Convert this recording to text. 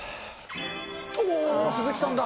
おー、鈴木さんだ。